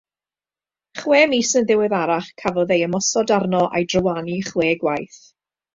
Chwe mis yn ddiweddarach, cafod ei ymosod arno a'i drywanu chwe gwaith.